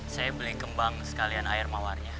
saya beli kembang sekalian air mawarnya